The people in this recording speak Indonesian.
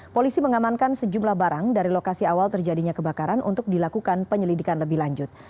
polisi mengamankan sejumlah barang dari lokasi awal terjadinya kebakaran untuk dilakukan penyelidikan lebih lanjut